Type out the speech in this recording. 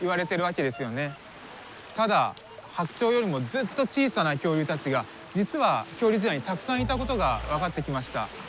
ただ白鳥よりもずっと小さな恐竜たちが実は恐竜時代にたくさんいたことが分かってきました。